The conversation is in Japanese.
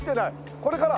これから。